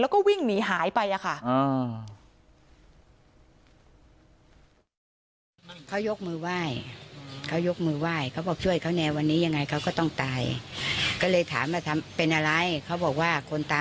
แล้วก็วิ่งหนีหายไปค่ะ